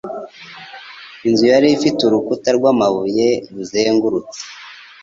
Inzu yari ifite urukuta rw'amabuye ruzengurutse.